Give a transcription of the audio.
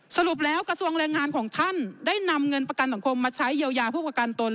สรุปแล้วกระทรวงแรงงานของท่านได้นำเงินประกันสังคมมาใช้เยียวยาผู้ประกันตน